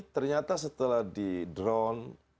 ternyata setelah di drone